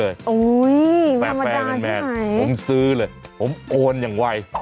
ยังขึ้นได้